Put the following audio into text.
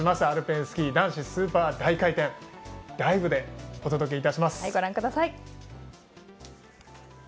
アルペンスキー男子スーパー大回転ライブでお届けいたします。